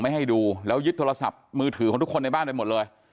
ให้ดูแล้วยึดโทรศัพท์มือถือของทุกคนในบ้านไปหมดเลย